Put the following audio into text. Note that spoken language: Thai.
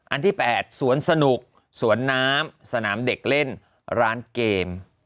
อันที่๘สวนสนุกสวนน้ำสนามเด็กเล่นร้านเกม